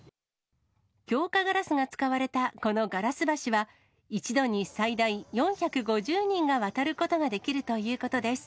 強化ガラスが使われたこのガラス橋は、一度に最大４５０人が渡ることができるということです。